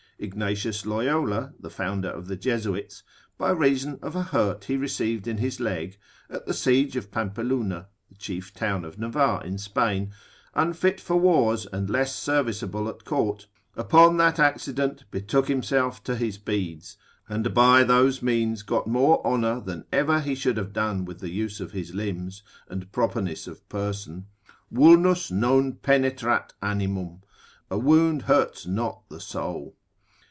Ignatius Loyola the founder of the Jesuits, by reason of a hurt he received in his leg, at the siege of Pampeluna, the chief town of Navarre in Spain, unfit for wars and less serviceable at court, upon that accident betook himself to his beads, and by those means got more honour than ever he should have done with the use of his limbs, and properness of person: Vulnus non penetrat animum, a wound hurts not the soul.